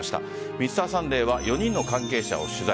「Ｍｒ．サンデー」は４人の関係者を取材。